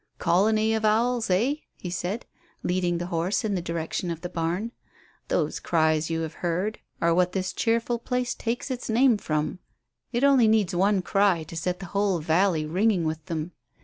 "Colony of owls, eh?" he said, leading the horse in the direction of the barn. "Those cries you have heard are what this cheerful place takes its name from. It only needs one cry to set the whole valley ringing with them.